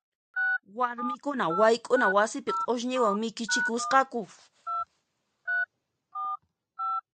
Warmikuna wayk'una wasipi q'usñiwan mikichikusqaku.